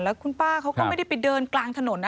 แล้วคุณป้าเขาก็ไม่ได้ไปเดินกลางถนนนะ